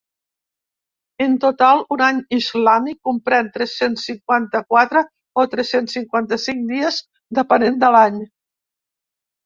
En total, un any islàmic comprèn tres-cents cinquanta-quatre o tres-cents cinquanta-cinc dies, depenent de l’any.